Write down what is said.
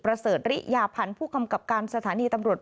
เสริฐริยาพันธ์ผู้กำกับการสถานีตำรวจ